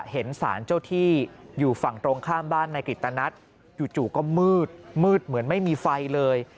เห็นสารเจ้าที่อยู่ฝั่งตรงข้ามบ้านนายกฤตนัทจู่ก็มืดมืดเหมือนไม่มีไฟเลย